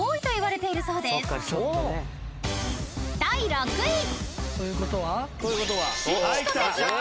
［第６位］